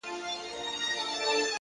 هوښیار انسان د خبرو وزن پېژني